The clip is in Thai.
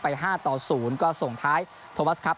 ๕ต่อ๐ก็ส่งท้ายโทมัสครับ